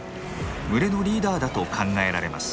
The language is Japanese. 群れのリーダーだと考えられます。